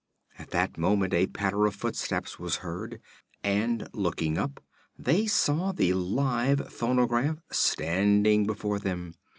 At this moment a patter of footsteps was heard, and looking up they saw the live phonograph standing before them.